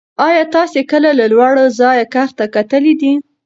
ایا تاسې کله له لوړ ځایه کښته کتلي دي؟